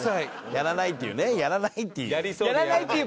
やらないっていうねやらないっていう。